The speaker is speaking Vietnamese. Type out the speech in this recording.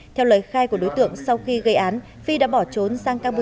theo lời khai của đối tượng sau khi gây án phi đã bỏ trốn sang campuchia